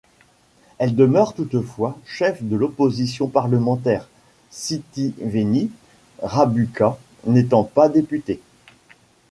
Elle demeure toutefois chef de l'opposition parlementaire, Sitiveni Rabuka n'étant pas député.